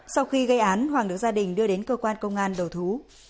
sau khi gây án hoàng được gia đình đưa đến cơ quan công an đầu thú